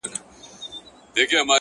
ستـا د سونډو رنگ،